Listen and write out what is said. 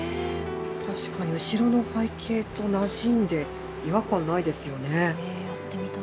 確かに後ろの背景となじんで違和感ないですよね。